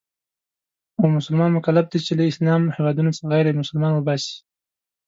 او مسلمانان مکلف دي چې له اسلامي هېوادونو غیرمسلمانان وباسي.